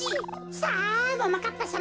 さあももかっぱさま